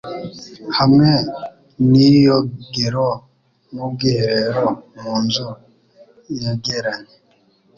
hamwe niyogero nubwiherero, munzu yegeranye .